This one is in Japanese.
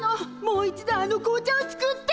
もう一度あの紅茶を作って！